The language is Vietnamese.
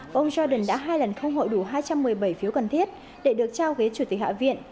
và ông jordan đã hai lần không hội đủ hai trăm một mươi bảy phiếu cần thiết để được trao ghế chủ tịch hạ viện